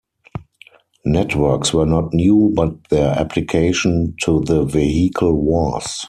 Networks were not new, but their application to the vehicle was.